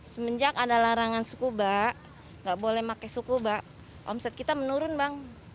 semenjak ada larangan scuba nggak boleh pakai scuba omset kita menurun bang